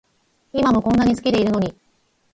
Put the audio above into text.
今もこんなに好きでいるのに